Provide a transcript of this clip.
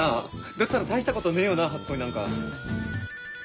だったら大したことねえよな初恋なんか。